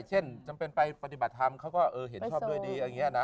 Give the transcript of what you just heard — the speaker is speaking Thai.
จำเป็นไปปฏิบัติธรรมเขาก็เห็นชอบด้วยดีอย่างนี้นะ